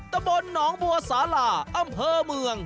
ตะบนหนองบัวสาลาอำเภอเมือง